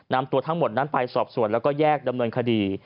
นำตัวทั้งหมดนั้นไปสอบส่วนแล้วก็แยกดำเนินคดี